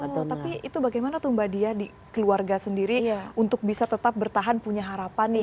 betul tapi itu bagaimana tuh mbak dia di keluarga sendiri untuk bisa tetap bertahan punya harapan nih